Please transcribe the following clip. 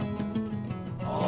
ああ。